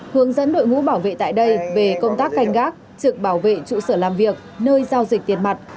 hướng dẫn đội ngũ bảo vệ tại đây về công tác canh gác trực bảo vệ trụ sở làm việc nơi giao dịch tiền mặt